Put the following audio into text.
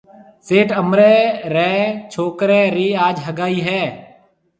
سيٺ امريَ ريَ ڇوڪريَ رِي آج هگائي هيَ۔